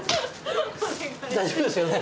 大丈夫ですよね。